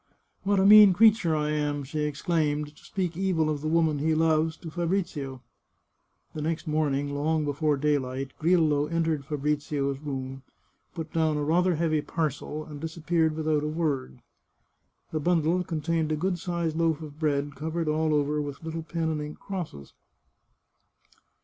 " What a mean creature I am," she exclaimed, " to speak evil of the woman he loves to Fabrizio !" The next morning, long before daylight, Grillo entered Fabrizio's room, put down a rather heavy parcel, and dis appeared without a word. The bundle contained a good sized loaf of bread, covered all over with little pen and ink crosses.